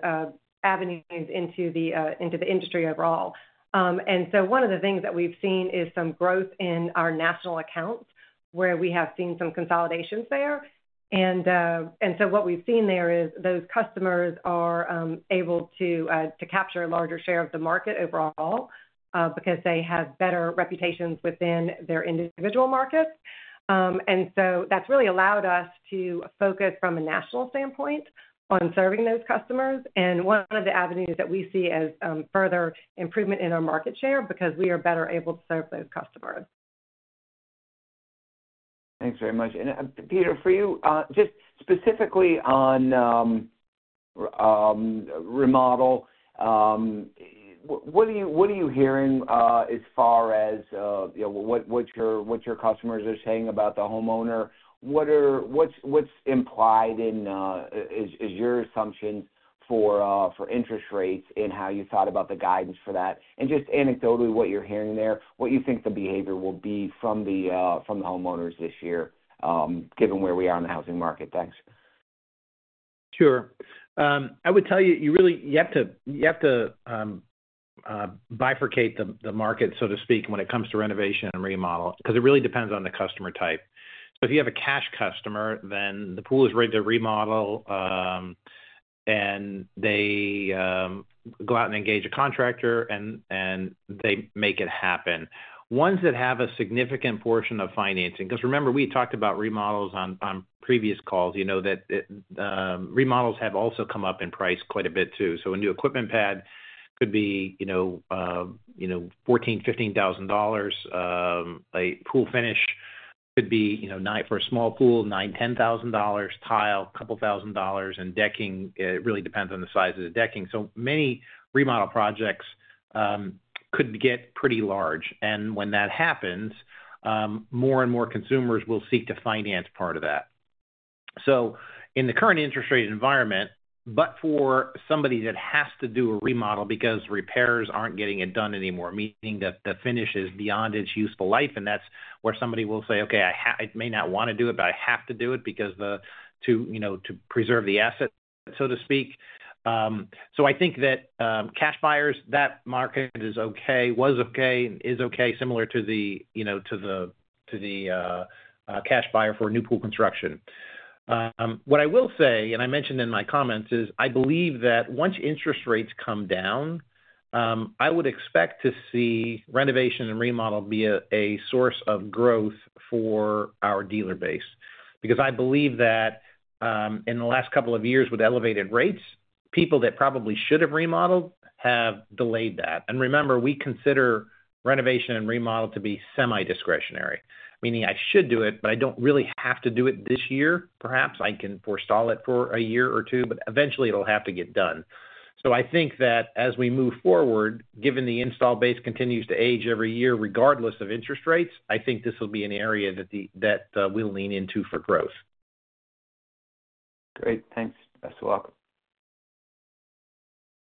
avenues into the industry overall. And so one of the things that we've seen is some growth in our national accounts where we have seen some consolidations there. And so what we've seen there is those customers are able to capture a larger share of the market overall because they have better reputations within their individual markets. And so that's really allowed us to focus from a national standpoint on serving those customers and one of the avenues that we see as further improvement in our market share because we are better able to serve those customers. Thanks very much. And Peter, for you, just specifically on remodel, what are you hearing as far as what your customers are saying about the homeowner? What's implied in your assumptions for interest rates and how you thought about the guidance for that? And just anecdotally, what you're hearing there, what you think the behavior will be from the homeowners this year given where we are in the housing market? Thanks. Sure. I would tell you you have to bifurcate the market, so to speak, when it comes to renovation and remodel because it really depends on the customer type. So if you have a cash customer, then the pool is ready to remodel, and they go out and engage a contractor, and they make it happen. Ones that have a significant portion of financing because remember, we talked about remodels on previous calls, remodels have also come up in price quite a bit too. So a new equipment pad could be $14,000-$15,000. A pool finish could be for a small pool, $9,000-$10,000. Tile, a couple thousand dollars. And decking, it really depends on the size of the decking. So many remodel projects could get pretty large. And when that happens, more and more consumers will seek to finance part of that. So in the current interest rate environment, but for somebody that has to do a remodel because repairs aren't getting it done anymore, meaning that the finish is beyond its useful life, and that's where somebody will say, "Okay, I may not want to do it, but I have to do it to preserve the asset," so to speak. So I think that cash buyers, that market is okay, was okay, is okay, similar to the cash buyer for new pool construction. What I will say, and I mentioned in my comments, is I believe that once interest rates come down, I would expect to see renovation and remodel be a source of growth for our dealer base because I believe that in the last couple of years with elevated rates, people that probably should have remodeled have delayed that. And remember, we consider renovation and remodel to be semi-discretionary, meaning I should do it, but I don't really have to do it this year. Perhaps I can forestall it for a year or two, but eventually, it'll have to get done. So I think that as we move forward, given the install base continues to age every year regardless of interest rates, I think this will be an area that we'll lean into for growth. Great. Thanks. Best of luck.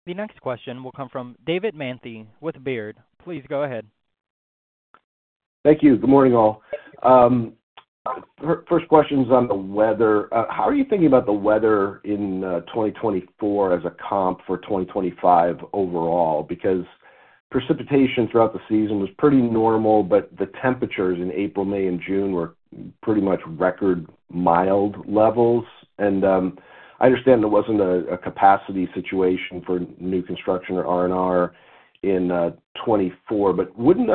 The next question will come from David Manthey with Baird. Please go ahead. Thank you. Good morning, all. First question is on the weather. How are you thinking about the weather in 2024 as a comp for 2025 overall? Because precipitation throughout the season was pretty normal, but the temperatures in April, May, and June were pretty much record mild levels. And I understand it wasn't a capacity situation for new construction or R&R in 2024, but wouldn't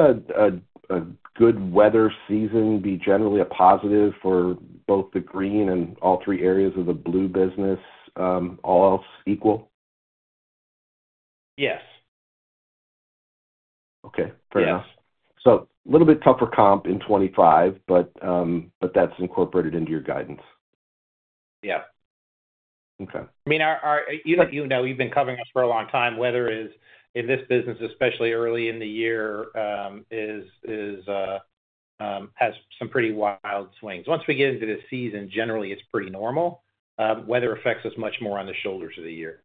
a good weather season be generally a positive for both the green and all three areas of the blue business, all else equal? Yes. Okay. Fair enough. So a little bit tougher comp in 2025, but that's incorporated into your guidance. Yeah. I mean, you know you've been covering us for a long time. Weather is, in this business, especially early in the year, has some pretty wild swings. Once we get into the season, generally, it's pretty normal. Weather affects us much more on the shoulders of the year.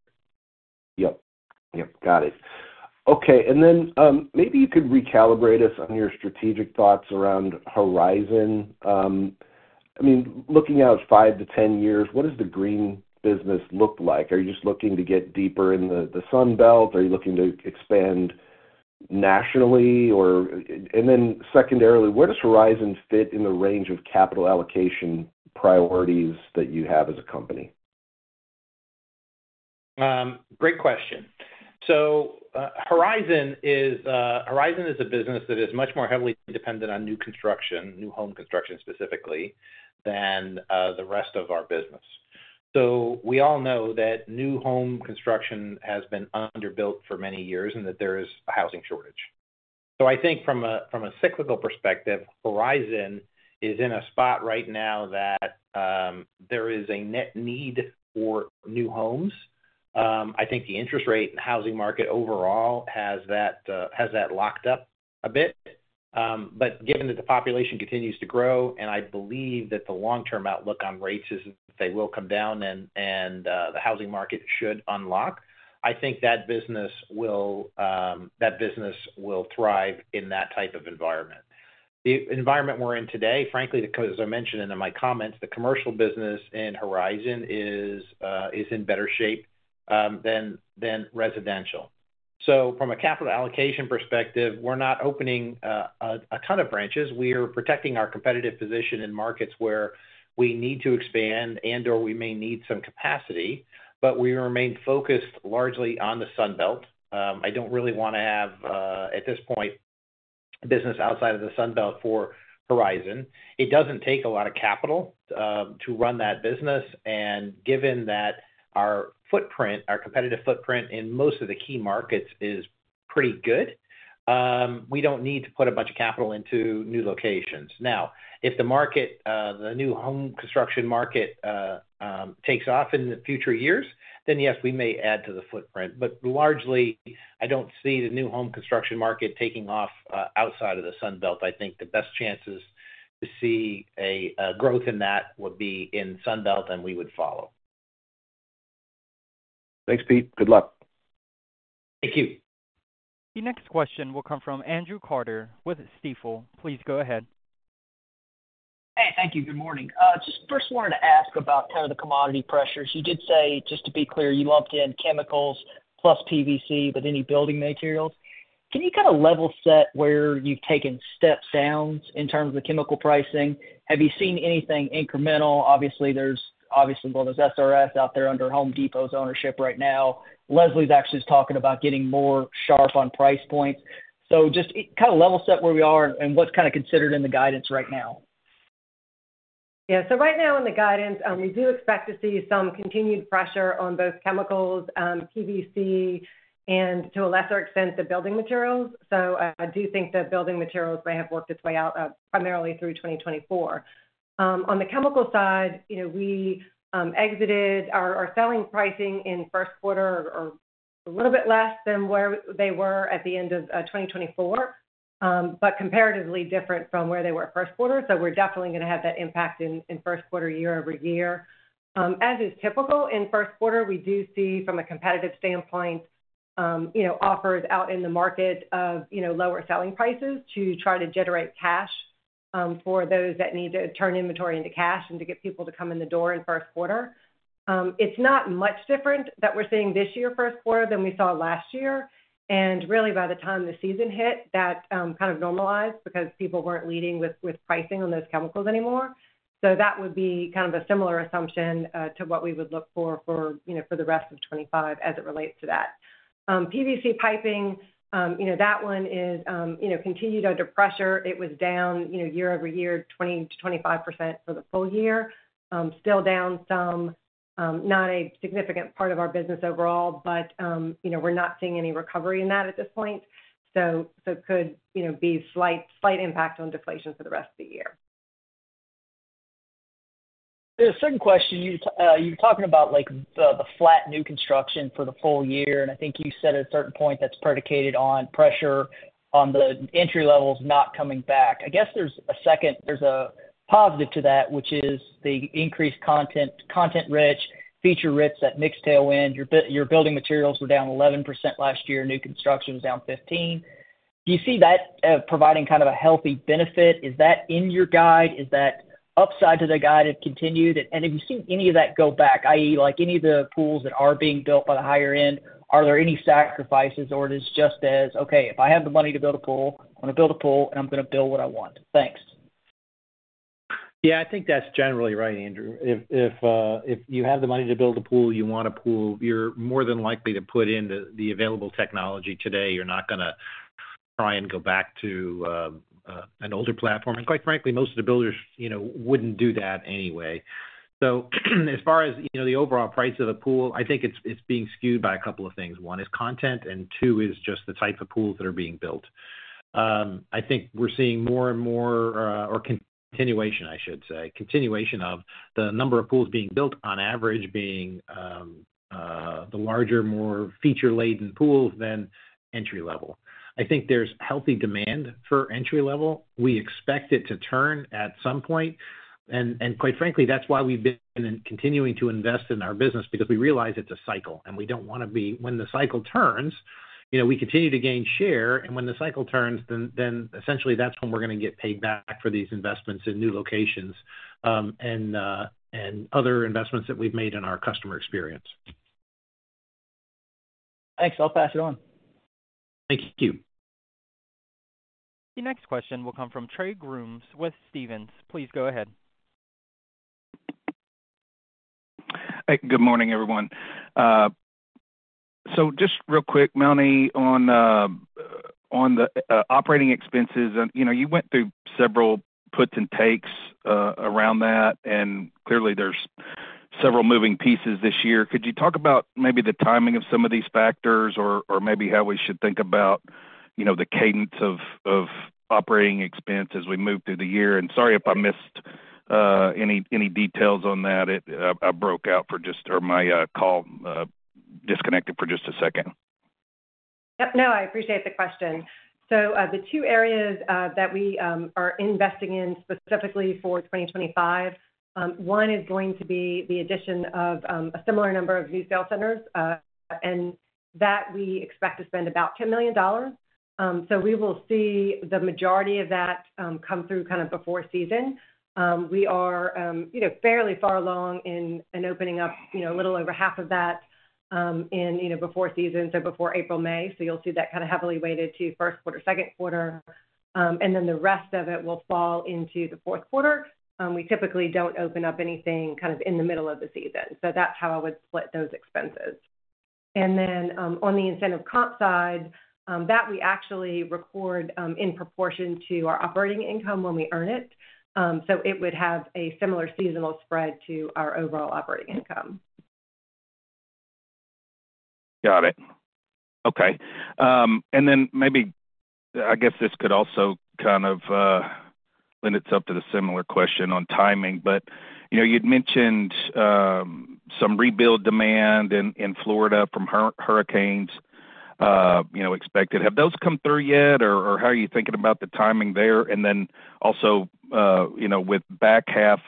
Yep. Yep. Got it. Okay, and then maybe you could recalibrate us on your strategic thoughts around Horizon. I mean, looking out 5 to 10 years, what does the green business look like? Are you just looking to get deeper in the Sun Belt? Are you looking to expand nationally? And then secondarily, where does Horizon fit in the range of capital allocation priorities that you have as a company? Great question. So Horizon is a business that is much more heavily dependent on new construction, new home construction specifically, than the rest of our business. So we all know that new home construction has been underbuilt for many years and that there is a housing shortage. So I think from a cyclical perspective, Horizon is in a spot right now that there is a net need for new homes. I think the interest rate and housing market overall has that locked up a bit. But given that the population continues to grow, and I believe that the long-term outlook on rates is that they will come down and the housing market should unlock, I think that business will thrive in that type of environment. The environment we're in today, frankly, as I mentioned in my comments, the commercial business in Horizon is in better shape than residential. So from a capital allocation perspective, we're not opening a ton of branches. We are protecting our competitive position in markets where we need to expand and/or we may need some capacity, but we remain focused largely on the Sun Belt. I don't really want to have, at this point, business outside of the Sun Belt for Horizon. It doesn't take a lot of capital to run that business. Given that our competitive footprint in most of the key markets is pretty good, we don't need to put a bunch of capital into new locations. Now, if the new home construction market takes off in the future years, then yes, we may add to the footprint. But largely, I don't see the new home construction market taking off outside of the Sun Belt. I think the best chances to see a growth in that would be in the Sun Belt, and we would follow. Thanks, Peter. Good luck. Thank you. The next question will come from Andrew Carter with Stifel. Please go ahead. Hey, thank you. Good morning. Just first wanted to ask about kind of the commodity pressures. You did say, just to be clear, you lumped in chemicals plus PVC, but any building materials. Can you kind of level set where you've taken steps down in terms of the chemical pricing? Have you seen anything incremental? Obviously, well, there's SRS out there under Home Depot's ownership right now. Leslie's actually talking about getting more sharp on price points. So just kind of level set where we are and what's kind of considered in the guidance right now. Yeah. So right now in the guidance, we do expect to see some continued pressure on both chemicals, PVC, and to a lesser extent, the building materials. So I do think that building materials may have worked its way out primarily through 2024. On the chemical side, we exited our selling pricing in first quarter or a little bit less than where they were at the end of 2024, but comparatively different from where they were first quarter, so we're definitely going to have that impact in first quarter, year over year. As is typical in first quarter, we do see from a competitive standpoint offers out in the market of lower selling prices to try to generate cash for those that need to turn inventory into cash and to get people to come in the door in first quarter. It's not much different that we're seeing this year first quarter than we saw last year, and really, by the time the season hit, that kind of normalized because people weren't leading with pricing on those chemicals anymore. So that would be kind of a similar assumption to what we would look for for the rest of 2025 as it relates to that. PVC piping, that one is continued under pressure. It was down year over year, 20%-25% for the full year. Still down some, not a significant part of our business overall, but we're not seeing any recovery in that at this point. So could be a slight impact on deflation for the rest of the year. The second question, you're talking about the flat new construction for the full year. And I think you said at a certain point that's predicated on pressure on the entry levels not coming back. I guess there's a second. There's a positive to that, which is the increased content rich, feature rich that mix tailwind. Your building materials were down 11% last year. New construction was down 15%. Do you see that providing kind of a healthy benefit? Is that in your guide? Is that upside to the guide of continued? And have you seen any of that go back, i.e., any of the pools that are being built by the higher end? Are there any sacrifices, or it is just as, "Okay, if I have the money to build a pool, I'm going to build a pool, and I'm going to build what I want"? Thanks. Yeah, I think that's generally right, Andrew. If you have the money to build a pool, you want a pool, you're more than likely to put in the available technology today. You're not going to try and go back to an older platform. And quite frankly, most of the builders wouldn't do that anyway. As far as the overall price of a pool, I think it's being skewed by a couple of things. One is content, and two is just the type of pools that are being built. I think we're seeing more and more or continuation, I should say, continuation of the number of pools being built on average being the larger, more feature-laden pools than entry level. I think there's healthy demand for entry level. We expect it to turn at some point. And quite frankly, that's why we've been continuing to invest in our business, because we realize it's a cycle, and we don't want to be when the cycle turns, we continue to gain share. And when the cycle turns, then essentially that's when we're going to get paid back for these investments in new locations and other investments that we've made in our customer experience. Thanks. I'll pass it on. Thank you. The next question will come from Trey Grooms with Stephens. Please go ahead. Good morning, everyone. So just real quick, Melanie, on the operating expenses, you went through several puts and takes around that, and clearly there's several moving pieces this year. Could you talk about maybe the timing of some of these factors or maybe how we should think about the cadence of operating expense as we move through the year? And sorry if I missed any details on that. I broke out for just a second or my call disconnected for just a second. Yep. No, I appreciate the question. So the two areas that we are investing in specifically for 2025, one is going to be the addition of a similar number of new sales centers, and that we expect to spend about $10 million. So we will see the majority of that come through kind of before season. We are fairly far along in opening up a little over half of that in before season, so before April, May. So you'll see that kind of heavily weighted to first quarter, second quarter. And then the rest of it will fall into the fourth quarter. We typically don't open up anything kind of in the middle of the season. So that's how I would split those expenses. And then on the incentive comp side, that we actually record in proportion to our operating income when we earn it. So it would have a similar seasonal spread to our overall operating income. Got it. Okay. And then maybe I guess this could also kind of lend itself to the similar question on timing, but you'd mentioned some rebuild demand in Florida from hurricanes expected. Have those come through yet, or how are you thinking about the timing there? And then also with back half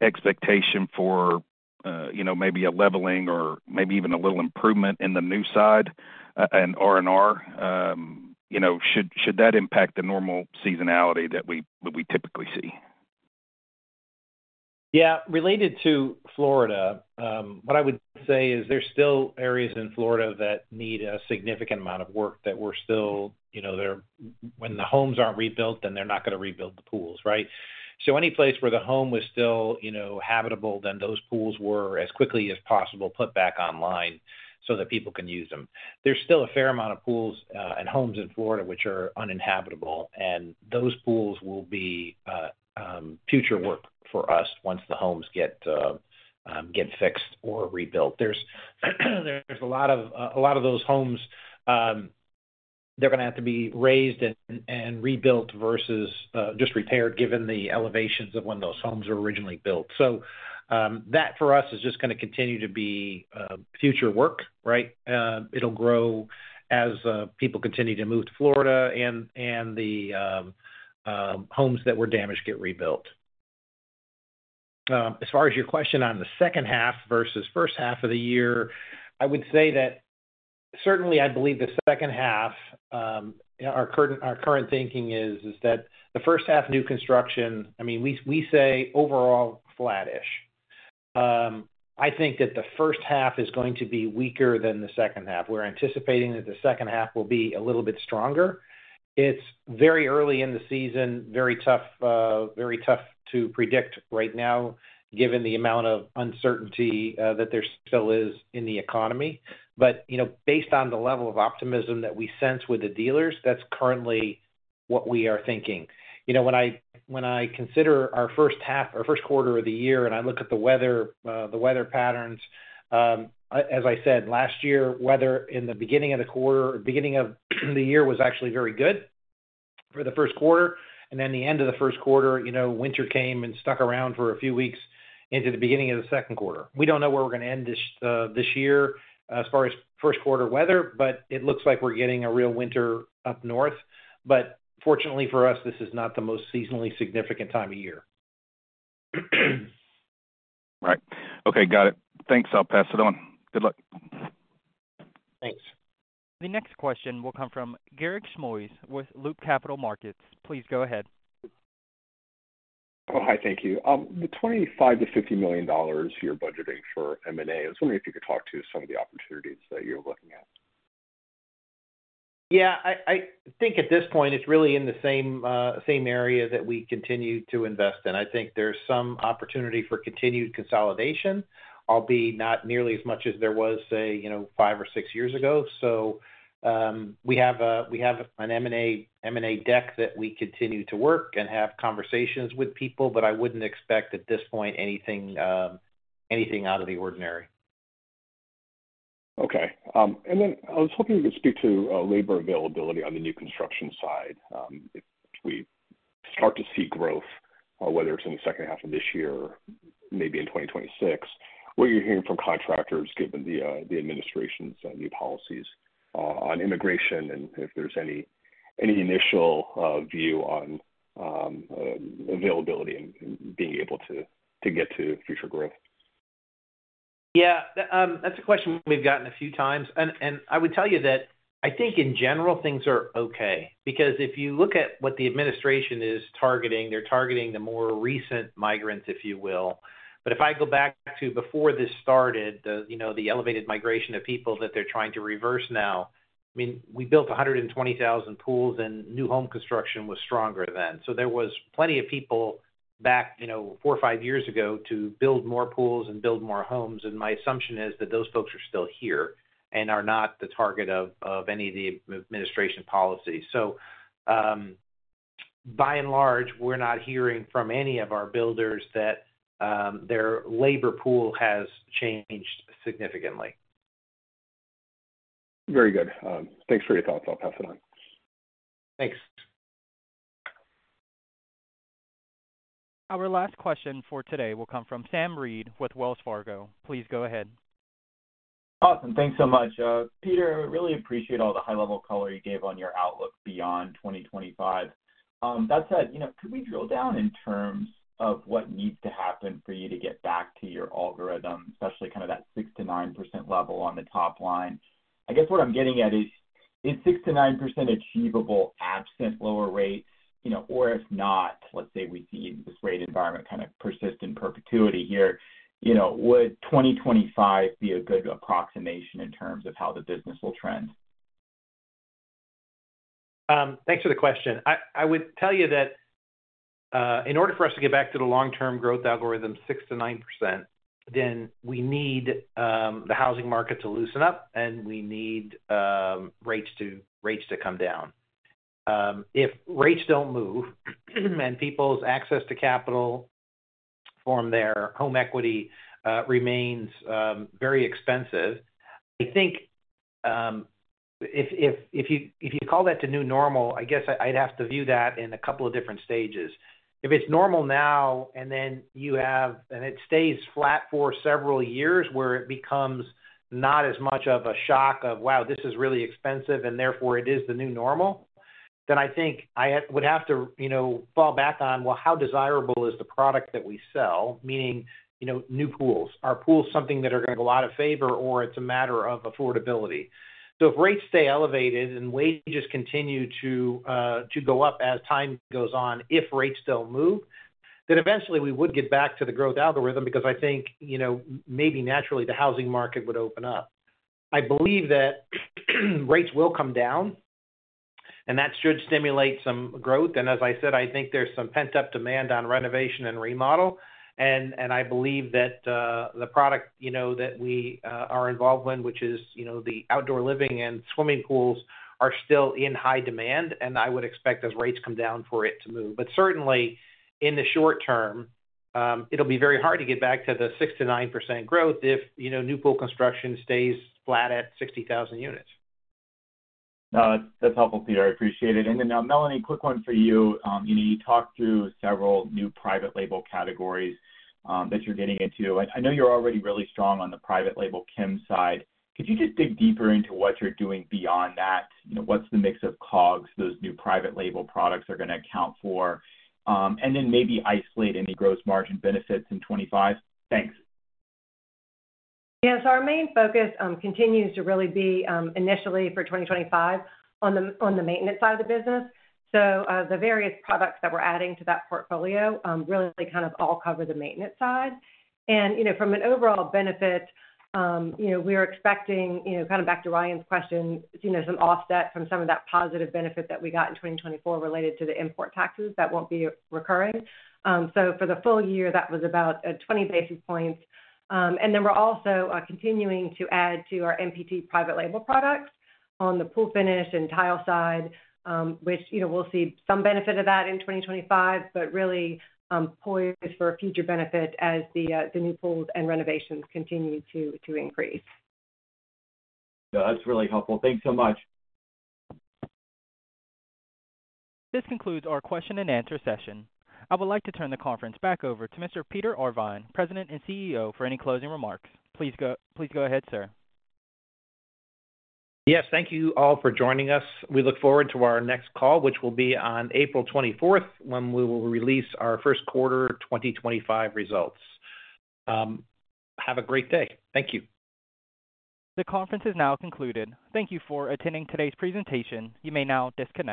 expectation for maybe a leveling or maybe even a little improvement in the new side and R&R, should that impact the normal seasonality that we typically see? Yeah. Related to Florida, what I would say is there's still areas in Florida that need a significant amount of work that we're still when the homes aren't rebuilt, then they're not going to rebuild the pools, right? So any place where the home was still habitable, then those pools were as quickly as possible put back online so that people can use them. There's still a fair amount of pools and homes in Florida which are uninhabitable, and those pools will be future work for us once the homes get fixed or rebuilt. There's a lot of those homes, they're going to have to be raised and rebuilt versus just repaired given the elevations of when those homes were originally built. So that for us is just going to continue to be future work, right? It'll grow as people continue to move to Florida and the homes that were damaged get rebuilt. As far as your question on the second half versus first half of the year, I would say that certainly I believe the second half, our current thinking is that the first half new construction, I mean, we say overall flattish. I think that the first half is going to be weaker than the second half. We're anticipating that the second half will be a little bit stronger. It's very early in the season, very tough to predict right now given the amount of uncertainty that there still is in the economy. But based on the level of optimism that we sense with the dealers, that's currently what we are thinking. When I consider our first quarter of the year and I look at the weather patterns, as I said, last year, weather in the beginning of the quarter or beginning of the year was actually very good for the first quarter. And then the end of the first quarter, winter came and stuck around for a few weeks into the beginning of the second quarter. We don't know where we're going to end this year as far as first quarter weather, but it looks like we're getting a real winter up north. But fortunately for us, this is not the most seasonally significant time of year. Right. Okay. Got it. Thanks. I'll pass it on. Good luck. Thanks. The next question will come from Garik Shmois with Loop Capital Markets. Please go ahead. Oh, hi. Thank you. The $25-$50 million you're budgeting for M&A, I was wondering if you could talk to some of the opportunities that you're looking at. Yeah. I think at this point, it's really in the same area that we continue to invest in. I think there's some opportunity for continued consolidation, albeit not nearly as much as there was, say, five or six years ago. So we have an M&A deck that we continue to work and have conversations with people, but I wouldn't expect at this point anything out of the ordinary. Okay. And then I was hoping you could speak to labor availability on the new construction side. If we start to see growth, whether it's in the second half of this year, maybe in 2026, what you're hearing from contractors given the administration's new policies on immigration and if there's any initial view on availability and being able to get to future growth? Yeah. That's a question we've gotten a few times. And I would tell you that I think in general, things are okay because if you look at what the administration is targeting, they're targeting the more recent migrants, if you will. But if I go back to before this started, the elevated migration of people that they're trying to reverse now, I mean, we built 120,000 pools, and new home construction was stronger then. So there was plenty of people back four or five years ago to build more pools and build more homes. And my assumption is that those folks are still here and are not the target of any of the administration policies. So by and large, we're not hearing from any of our builders that their labor pool has changed significantly. Very good. Thanks for your thoughts. I'll pass it on. Thanks. Our last question for today will come from Sam Reid with Wells Fargo. Please go ahead. Awesome. Thanks so much. Peter, I really appreciate all the high-level color you gave on your outlook beyond 2025. That said, could we drill down in terms of what needs to happen for you to get back to your algorithm, especially kind of that 6%-9% level on the top line? I guess what I'm getting at is 6%-9% achievable absent lower rates, or if not, let's say we see this rate environment kind of persist in perpetuity here, would 2025 be a good approximation in terms of how the business will trend? Thanks for the question. I would tell you that in order for us to get back to the long-term growth algorithm, 6%-9%, then we need the housing market to loosen up, and we need rates to come down. If rates don't move and people's access to capital form their home equity remains very expensive, I think if you call that the new normal, I guess I'd have to view that in a couple of different stages. If it's normal now and then you have and it stays flat for several years where it becomes not as much of a shock of, "Wow, this is really expensive," and therefore it is the new normal, then I think I would have to fall back on, "Well, how desirable is the product that we sell?" Meaning new pools. Are pools something that are going to go out of favor, or it's a matter of affordability? So if rates stay elevated and wages continue to go up as time goes on, if rates don't move, then eventually we would get back to the growth algorithm because I think maybe naturally the housing market would open up. I believe that rates will come down, and that should stimulate some growth, and as I said, I think there's some pent-up demand on renovation and remodel. And I believe that the product that we are involved in, which is the outdoor living and swimming pools, are still in high demand. And I would expect as rates come down for it to move. But certainly in the short term, it'll be very hard to get back to the 6%-9% growth if new pool construction stays flat at 60,000 units. No, that's helpful, Peter. I appreciate it. And then Melanie, quick one for you. You talked through several new private label categories that you're getting into. I know you're already really strong on the private label chem side. Could you just dig deeper into what you're doing beyond that? What's the mix of COGS those new private label products are going to account for? And then maybe isolate any gross margin benefits in 2025. Thanks. Yeah. So our main focus continues to really be initially for 2025 on the maintenance side of the business. So the various products that we're adding to that portfolio really kind of all cover the maintenance side. And from an overall benefit, we are expecting kind of back to Ryan's question, some offset from some of that positive benefit that we got in 2024 related to the import taxes that won't be recurring. So for the full year, that was about 20 basis points. And then we're also continuing to add to our NPT private label products on the pool finish and tile side, which we'll see some benefit of that in 2025, but really poised for future benefit as the new pools and renovations continue to increase. No, that's really helpful. Thanks so much. This concludes our question and answer session. I would like to turn the conference back over to Mr. Peter Arvan, President and CEO, for any closing remarks. Please go ahead, sir. Yes. Thank you all for joining us. We look forward to our next call, which will be on April 24th when we will release our first quarter 2025 results. Have a great day. Thank you. The conference is now concluded. Thank you for attending today's presentation. You may now disconnect.